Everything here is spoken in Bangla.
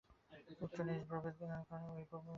উচ্চনীচ-প্রভেদ করাটা কেবল ঐ ব্রহ্মবিকাশের তারতম্য।